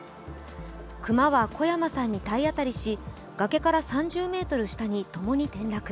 熊は小山さんに体当たりし崖から３０ｍ下に共に転落。